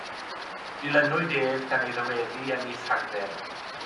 Dilynwyd ef gan ei ddyweddi ym mis Rhagfyr.